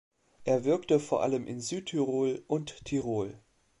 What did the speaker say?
Er wirkte vor allem in Südtirol und Tirol.